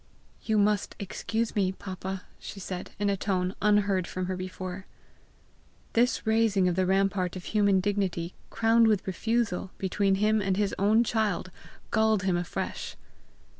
"You must excuse me, papa!" she said in a tone unheard from her before. This raising of the rampart of human dignity, crowned with refusal, between him and his own child, galled him afresh.